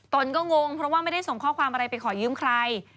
ตนก็งงเพราะว่าไม่ได้ส่งข้อความอะไรไปขอยืมใคร